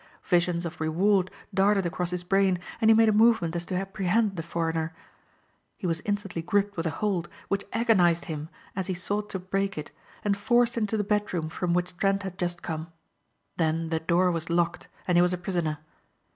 Visions of reward darted across his brain and he made a movement as to apprehend the foreigner. He was instantly gripped with a hold, which agonized him as he sought to break it, and forced into the bedroom from which Trent had just come. Then the door was locked and he was a prisoner.